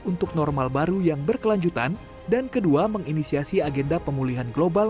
untuk normal baru yang berkelanjutan dan kedua menginisiasi agenda pemulihan global